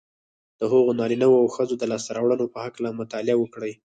د هغو نارینهوو او ښځو د لاسته رواړنو په هکله مطالعه وکړئ